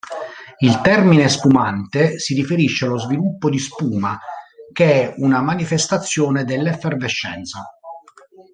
Il termine "spumante" si riferisce allo sviluppo di spuma che è una manifestazione dell'effervescenza.